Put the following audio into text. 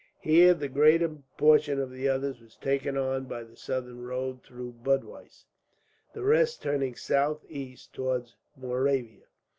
Here the greater portion of the others were taken on by the southern road through Budweis, the rest turning southeast towards Moravia.